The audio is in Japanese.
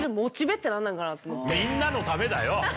みんなのためだよ！